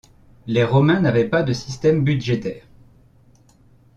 Les Romains n'avaient pas de système budgétaire.